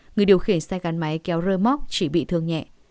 người điều khiển xe gắn máy kéo rơ móc chỉ bị thương nhẹ